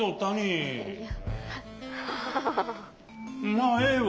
まあええわ。